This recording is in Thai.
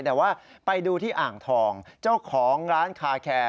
แต่ว่าไปดูที่อ่างทองเจ้าของร้านคาแคร์